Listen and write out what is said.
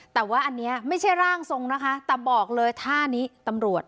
แต่ว่าอันนี้ไม่ใช่ร่างทรงนะคะแต่บอกเลยท่านี้ตำรวจ